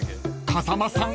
［風間さん